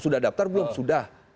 sudah daftar belum sudah